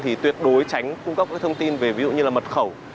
thì tuyệt đối tránh cung cấp các thông tin về ví dụ như là mật khẩu